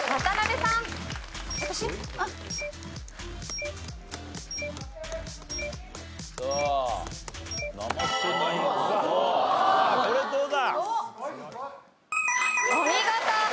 さあこれどうだ？